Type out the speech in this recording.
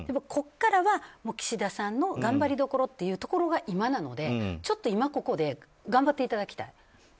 ここからは岸田さんの頑張りどころっていうところが今なので今ここで頑張っていただきたい。